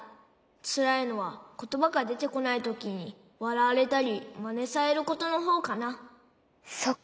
つらいのはことばがでてこないときにわらわれたりマネされることのほうかな。